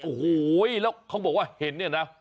โอ้โหแล้วเขาบอกว่าเห็นเนี่ยนะ